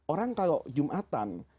orang kalau jumatan